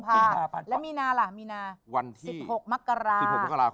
โหลดแล้วคุณราคาโหลดแล้วยัง